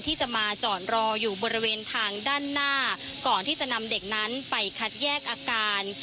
ที่จะมาจอดรออยู่บริเวณทางด้านหน้าก่อนที่จะนำเด็กนั้นไปคัดแยกอาการ